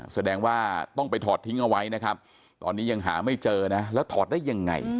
แสดงว่าต้องไปถอดทิ้งเอาไว้นะครับตอนนี้ยังหาไม่เจอนะแล้วถอดได้ยังไง